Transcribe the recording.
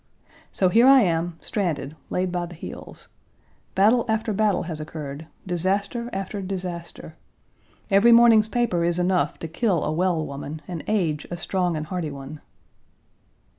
So here I am, stranded, laid by the heels. Battle after battle has occurred, disaster after disaster. Every, morning's paper is enough to kill a well woman and age a strong and hearty one.